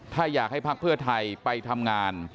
ถ้าอยากให้ภักดิ์เพื่อไทยไปทำงาน